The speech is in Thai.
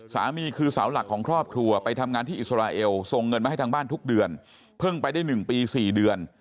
สามีคือเสาหลักของครอบครัวไปทำงานที่อิสราเอลส่งเงินมาให้ทางบ้านทุกเดือนเพิ่งไปได้๑ปี๔เดือน